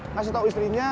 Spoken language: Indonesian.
ngasih tau istrinya